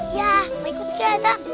iya mau ikut gak ya tak